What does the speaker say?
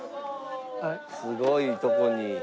すごいとこに。